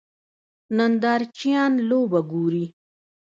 نندارچیان لوبه ګوري.